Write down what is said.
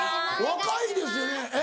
若いですよねえっ？